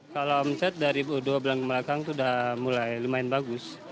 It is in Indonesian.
kalau omset dari dua bulan kebelakang itu sudah mulai lumayan bagus